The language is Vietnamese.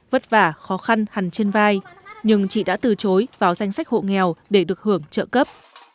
vất vả khó khăn hẳn trên vai nhưng chị đã từ chối vào danh sách hộ nghèo để được hưởng trợ cấp